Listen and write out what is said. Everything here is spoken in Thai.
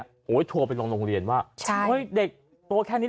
โอ้โหโทรไปลงโรงเรียนว่าใช่เฮ้ยเด็กตัวแค่นี้